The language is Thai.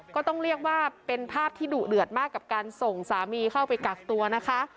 ก็ต้องเรียกว่าเป็นภาพที่ดุเดือดมากกับการส่งสามีเข้าไปกักตัวนะคะ